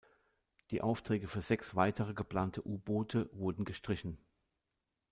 Die Aufträge für sechs weitere geplante U-Boote wurden gestrichen.